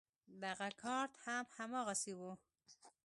دغه کارت هم هماغسې و.